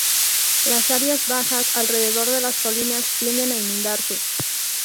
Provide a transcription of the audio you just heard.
Las áreas bajas, alrededor de las colinas tienden a inundarse.